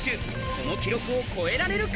この記録を超えられるか？